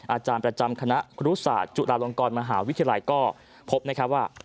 อาจารย์ประจำคณะครูศาสตร์จุฬาลงกรมหาวิทยาลัยก็พบนะครับว่า